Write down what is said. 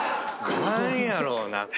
何やろうな？